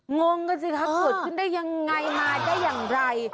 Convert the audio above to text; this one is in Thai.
งงกันสิคะเกิดขึ้นได้ยังไงมาได้อย่างไร